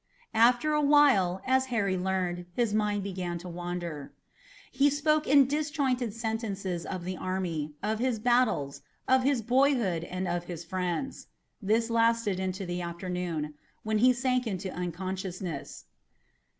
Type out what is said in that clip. After a while, as Harry learned, his mind began to wander. He spoke in disjointed sentences of the army, of his battles, of his boyhood and of his friends. This lasted into the afternoon, when he sank into unconsciousness.